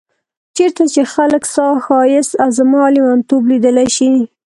چيرته چي خلګ ستا ښايست او زما ليونتوب ليدلی شي